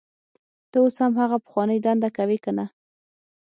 ته اوس هم هغه پخوانۍ دنده کوې کنه